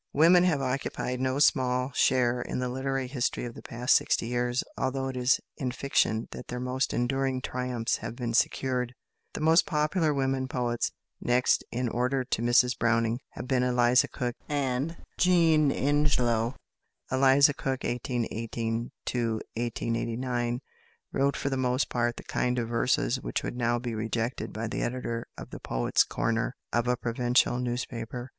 Women have occupied no small share in the literary history of the past sixty years, although it is in fiction that their most enduring triumphs have been secured. The most popular women poets, next in order to Mrs Browning, have been Eliza Cook and Jean Ingelow. =Eliza Cook (1818 1889)= wrote for the most part the kind of verses which would now be rejected by the editor of the Poet's Corner of a provincial newspaper.